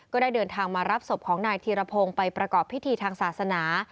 ก็ได้เดินทางมารับศพของนายธีรพงศ์ไปประกอบพิธีทางศาสนา